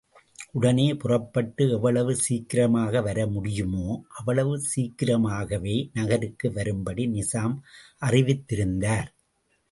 உடனே புறப்பட்டு எவ்வளவு சீக்கிரமாக வரமுடியுமோ அவ்வளவு சீக்கிரமாகவே நகருக்கு வரும்படி நிசாம் அறிவித்திருந்தார்.